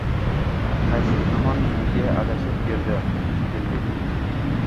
Qaysi Tixon? Menga adashib berdi, shekilli”.